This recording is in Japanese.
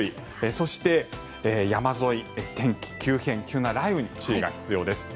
そして、山沿い、天気急変急な雷雨に注意が必要です。